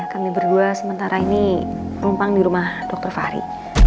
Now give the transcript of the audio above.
kami berdua sementara ini rumpang di rumah dokter fahri